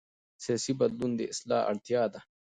سیاسي بدلون د اصلاح اړتیا ده